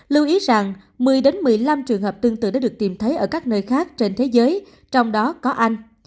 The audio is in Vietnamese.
lưu ý rằng một mươi một mươi năm trường hợp tương tự đã được tìm thấy ở các nơi khác trên thế giới trong đó có anh